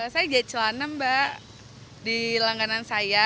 saya jat celana mbak di langganan saya